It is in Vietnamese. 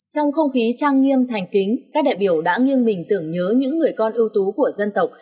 trong không khí trang nghiêm thành kính các đại biểu đã nghiêng mình tưởng nhớ những người con ưu tú của dân tộc